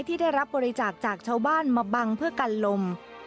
ที่ได้รับบริจาคจากชาวบ้านมาบังเพื่อกันลม